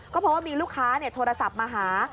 เพราะว่ามีลูกค้าโทรศัพท์มาหา